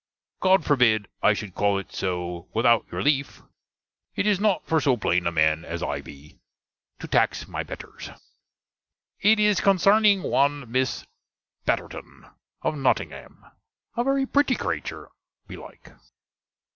God forbid I should call it so without your leafe. It is not for so plane a man as I be, to tacks my betters. It is consarning one Miss Batirton, of Notingam; a very pretty crature, belike.